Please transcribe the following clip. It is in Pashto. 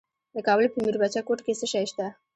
د کابل په میربچه کوټ کې څه شی شته؟